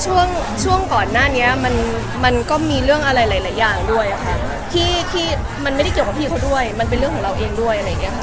ช่วงช่วงก่อนหน้านี้มันก็มีเรื่องอะไรหลายอย่างด้วยค่ะที่มันไม่ได้เกี่ยวกับพี่เขาด้วยมันเป็นเรื่องของเราเองด้วยอะไรอย่างเงี้ค่ะ